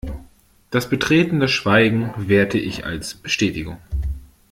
Das betretene Schweigen werte ich als Bestätigung.